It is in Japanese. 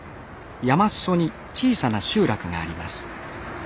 山裾に小さな集落があります。